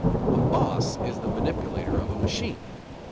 A boss is the manipulator of a "machine."